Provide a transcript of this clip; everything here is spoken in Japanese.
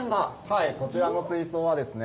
はいこちらの水槽はですね